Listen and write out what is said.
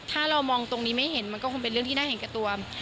ถ้าเรามองตรงนี้ไม่เห็นมันก็คงเป็นเรื่องที่น่าเห็นแก่ตัว